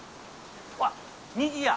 うわっ虹や。